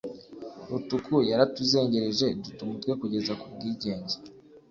rutuku yaratuzengereje duta umutwe kugeza ku bwigenge,